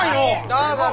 どうぞ！